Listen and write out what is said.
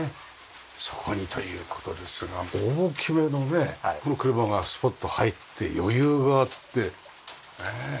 そこにという事ですが大きめのねこの車がスポッと入って余裕があってねえ。